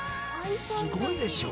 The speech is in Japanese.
すごいでしょう？